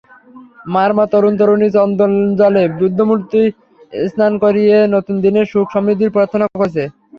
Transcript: মারমা তরুণ-তরুণীরা চন্দনজলে বুদ্ধমূর্তি স্নান করিয়ে নতুন দিনের সুখ-সমৃদ্ধির জন্য প্রার্থনা করেছে।